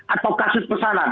atau kasus pesanan